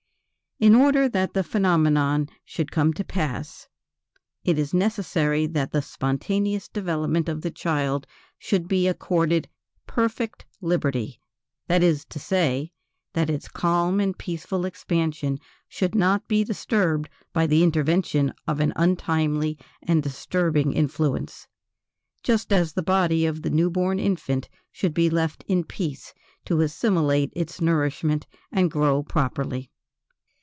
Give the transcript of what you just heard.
In order that the phenomenon should come to pass it is necessary that the spontaneous development of the child should be accorded perfect liberty; that is to say, that its calm and peaceful expansion should not be disturbed by the intervention of an untimely and disturbing influence; just as the body of the new born infant should be left in peace to assimilate its nourishment and grow properly.